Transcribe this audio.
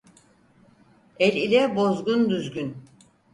El ile bozgun düzgün.